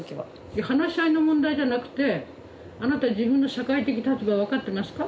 いや話し合いの問題じゃなくてあなた自分の社会的立場分かってますか？